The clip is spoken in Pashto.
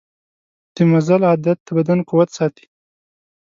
د مزل عادت د بدن قوت ساتي.